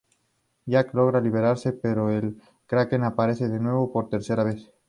Jack logra liberarse, pero el Kraken aparece de nuevo por tercera vez.